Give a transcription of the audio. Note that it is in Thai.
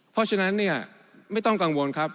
เพราะฉะนั้นเนี่ยไม่ต้องกังวลครับ